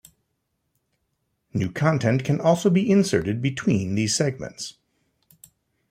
New content can also be inserted between these segments.